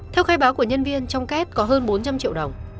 theo khai báo của nhân viên trong kết có hơn bốn trăm linh triệu đồng